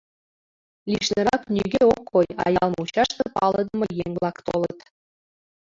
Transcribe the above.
Лишнырак нигӧ ок кой, а ял мучаште палыдыме еҥ-влак толыт.